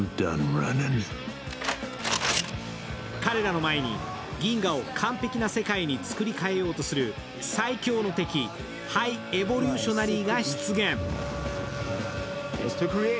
彼らの前に、銀河を完璧な世界に作り替えようとする最凶の敵、ハイ・エボリューショナリーが出現。